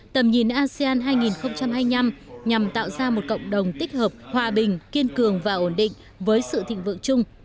tầm nhìn asean hai nghìn hai mươi năm nhằm tạo ra một cộng đồng tích hợp hòa bình kiên cường và ổn định với sự thịnh vượng chung